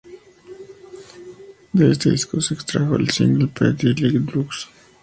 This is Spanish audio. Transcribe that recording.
De este disco se extrajo el "single" Pretty Like Drugs.